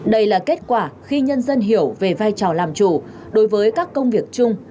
đây là kết quả khi nhân dân hiểu về vai trò làm chủ đối với các công việc chung